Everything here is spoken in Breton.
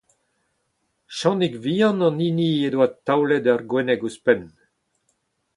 Channig Vihan an hini he doa taolet ur gwenneg ouzhpenn.